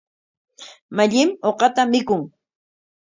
Mallim uqata mikun.